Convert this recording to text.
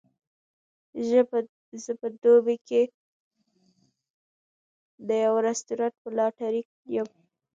زه په دوبۍ کې د یوه رستورانت ملاتړی یم.